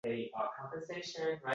Shunaqa shirin, shunaqa mazali!